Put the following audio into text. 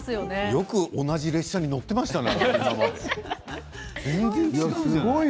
よく同じ列車に乗っていましたね。